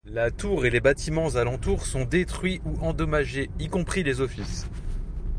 La tour et les bâtiments alentour sont détruits ou endommagés, y compris les Offices.